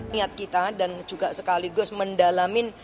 niat kita dan juga sekaligus mendalamin